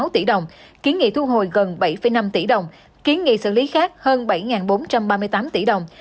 bảy trăm bốn mươi sáu tỷ đồng kiến nghị thu hồi gần bảy năm tỷ đồng kiến nghị xử lý khác hơn bảy bốn trăm ba mươi tám tỷ đồng